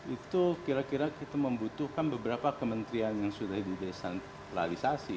itu kira kira kita membutuhkan beberapa kementerian yang sudah didesentralisasi